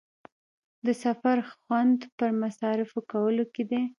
د سفر خوند پر مصارفو کولو کې دی.